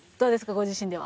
ご自身では。